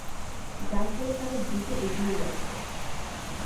যার ফলে তারা দ্রুত এগিয়ে যাচ্ছে।